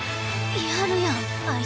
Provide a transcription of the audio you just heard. やるやんあいつ。